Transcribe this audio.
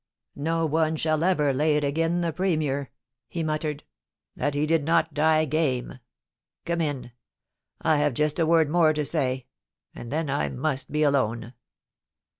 No cm; shall ever lay it agen the Premier,' he muttered, 'that he did not die game. Come in. I have just a word more to say, and then I must be alone.